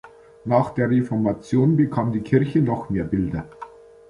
Nach der Reformation bekam die Kirche noch mehr Bilder.